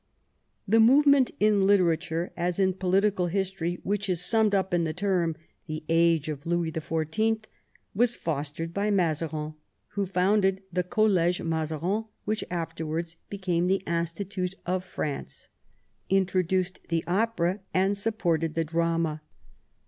The movement in literary as in political history which is summed up in the term " The Age of Louis XIV. " was fostered by Mazarin, who founded the College Mazarin, which afterwards became the Institut of France, introduced the opera, and supported the drama.